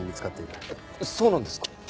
そうなんですか？